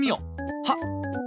はっ。